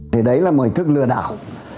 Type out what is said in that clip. thế đấy là một thức lừa đảo